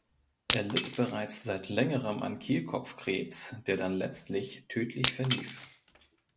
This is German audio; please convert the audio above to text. Er litt bereits seit längerem an Kehlkopfkrebs, der dann letztlich tödlich verlief.